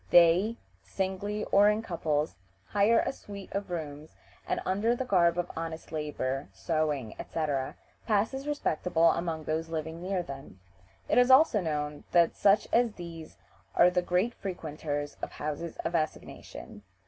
They (singly or in couples) hire a suite of rooms, and under the garb of honest labor, sewing, etc., pass as respectable among those living near them. It is also known that such as these are the great frequenters of houses of assignation.